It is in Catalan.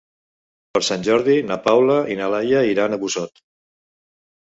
Per Sant Jordi na Paula i na Laia iran a Busot.